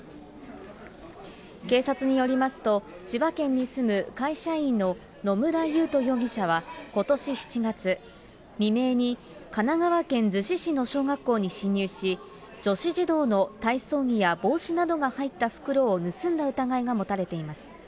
警察によりますと、千葉県に住む会社員の野村悠斗容疑者はことし７月、未明に神奈川県逗子市の小学校に侵入し、女子児童の体操着や帽子などが入った袋を盗んだ疑いが持たれています。